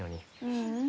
ううん。